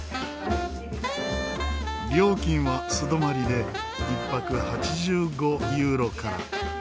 料金は素泊まりで一泊８５ユーロから。